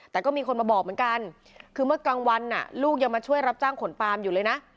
แต่ก็มีคนมาบอกเหมือนกันคือเมื่อกลางวันลูกยังมาช่วยรับจ้างขนปามอยู่เลยนะ